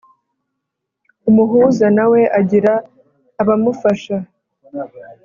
umuhuza nawe agira abamufasha.